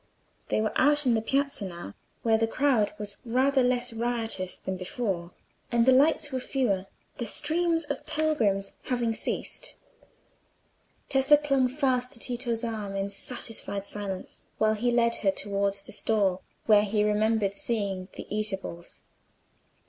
They were out in the piazza now, where the crowd was rather less riotous than before, and the lights were fewer, the stream of pilgrims having ceased. Tessa clung fast to Tito's arm in satisfied silence, while he led her towards the stall where he remembered seeing the eatables.